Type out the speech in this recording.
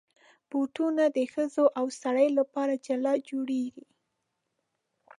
بوټونه د ښځو او سړیو لپاره جلا جوړېږي.